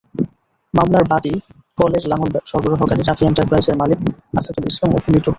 মামলার বাদী কলের লাঙল সরবরাহকারী রাফি এন্টারপ্রাইজের মালিক আসাদুল ইসলাম ওরফে লিটু।